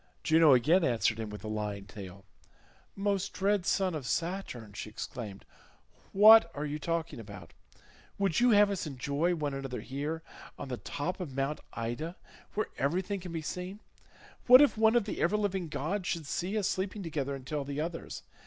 Juno again answered him with a lying tale. "Most dread son of Saturn," she exclaimed, "what are you talking about? Would you have us enjoy one another here on the top of Mount Ida, where everything can be seen? What if one of the ever living gods should see us sleeping together, and tell the others?